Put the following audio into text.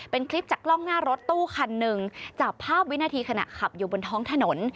เป็นคลิปจากกล้องหน้ารถตู้คันหนึ่งจับภาพวินาทีขณะขับอยู่บนท้องถนน